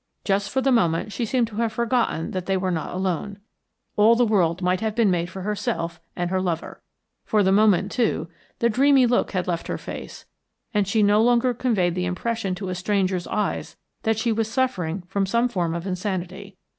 Just for the moment she seemed to have forgotten that they were not alone; all the world might have been made for herself and her lover. For the moment, too, the dreamy look had left her face, and she no longer conveyed the impression to a stranger's eyes that she was suffering from some form of insanity.